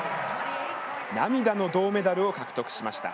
涙の銅メダルを獲得しました。